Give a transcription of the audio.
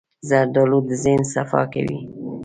زردالو د ذهن صفا کوي.